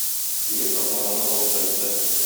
Егет Шаһмараны алып кайтты.